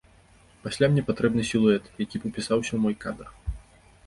Пасля мне патрэбны сілуэт, які б упісаўся ў мой кадр.